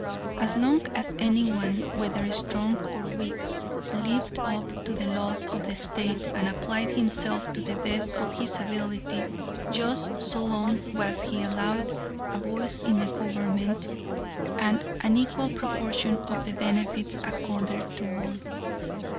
As long as any one, whether strong or weak, lived up to the laws of the State and applied himself to the best of his ability, just so long was he allowed a voice in the government and an equal proportion of the benefits accorded to all.